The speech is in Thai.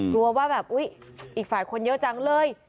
กลัวว่าอีกฝ่ายคนเยอะจังเลย